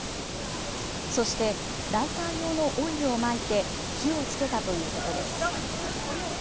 そしてライター用のオイルをまいて、火をつけたということです。